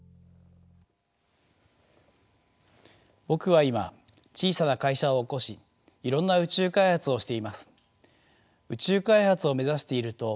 僕は今小さな会社を起こしいろんな宇宙開発をしています。